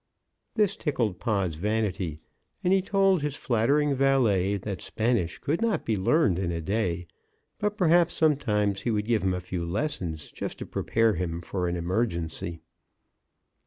That tickled Pod's vanity, and he told his flattering valet that Spanish could not be learned in a day, but perhaps sometime he would give him a few lessons, just to prepare him for an emergency.